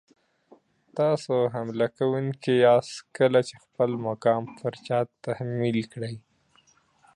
تاسو حمله کوونکي یاست کله چې خپل مقام پر چا تحمیل کړئ.